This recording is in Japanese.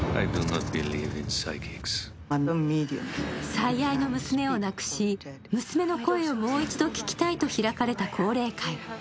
最愛の娘を亡くし娘の声をもう一度聞きたいと開かれた降霊会。